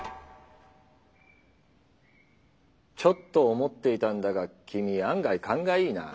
ちょっと思っていたんだが君案外カンがいいな。